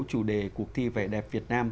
chủ đề cuộc thi vẻ đẹp việt nam